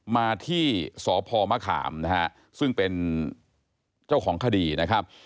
มาที่สพมะขามนะฮะซึ่งเป็นเจ้าของคดีนะครับ